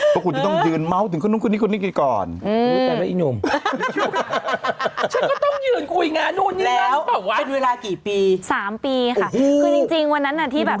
๓ปีค่ะคือจริงวันนั้นที่แบบ